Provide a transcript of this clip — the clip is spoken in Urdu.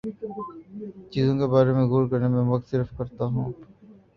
چیزوں کے بارے میں غور کرنے میں وقت صرف کرتا ہوں